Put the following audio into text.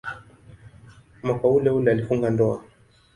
Mwaka uleule alifunga ndoa.